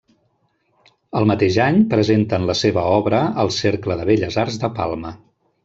El mateix any presenten la seva obra al Cercle de Belles Arts de Palma.